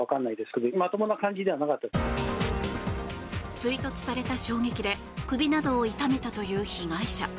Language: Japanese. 追突された衝撃で首などを痛めたという被害者。